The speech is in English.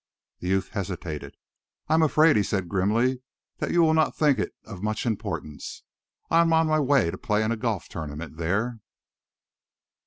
The youth hesitated. "I am afraid," he said grimly, "that you will not think it of much importance. I am on my way to play in a golf tournament there."